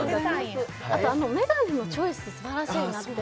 あと、眼鏡のチョイスがすばらしいなって。